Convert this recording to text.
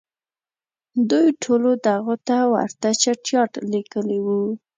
دوی ټولو دغه ته ورته چټیاټ لیکلي وو.